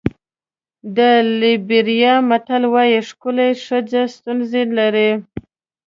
د لېبریا متل وایي ښکلې ښځه ستونزې لري.